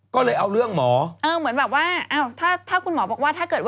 คอมเมนต์ก็จะบอกไปแน่